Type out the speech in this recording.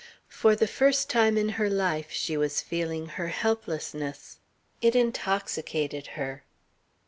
For the first time in her life she was feeling her helplessness. It intoxicated her.